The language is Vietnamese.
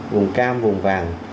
vùng cam vùng vàng